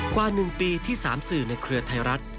กว่า๑ปีที่๓สื่อในเครือไทยรัฐ